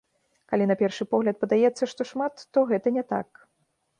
Калі на першы погляд падаецца, што шмат, то гэта не так.